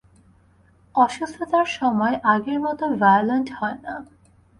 অসুস্থতার সময় আগের মতো ভায়োলেন্ট হয় না।